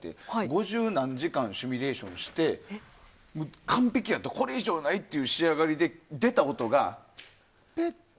五十何時間シミュレーションして完璧やったこれ以上ない！っていう仕上がりで出た音がぺっ。